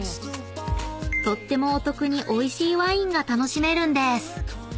［とってもお得においしいワインが楽しめるんです］